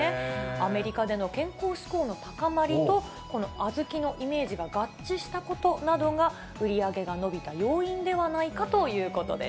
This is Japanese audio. アメリカでの健康志向の高まりと、このあずきのイメージが合致したことなどが、売り上げが伸びた要因ではないかということです。